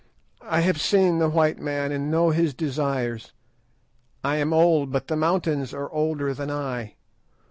I have seen the white man and know his desires. I am old, but the mountains are older than I.